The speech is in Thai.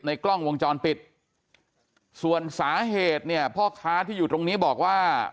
กล้องวงจรปิดส่วนสาเหตุเนี่ยพ่อค้าที่อยู่ตรงนี้บอกว่า